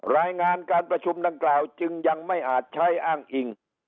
รายงานการประชุมดังกล่าวจึงยังไม่อาจใช้อ้างอิง